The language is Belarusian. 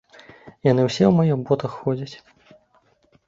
Яны ўсе ў маіх ботах ходзяць!